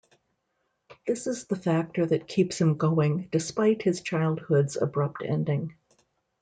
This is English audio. This is the factor that keeps him going despite his childhood's abrupt ending.